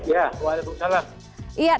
ya selamat malam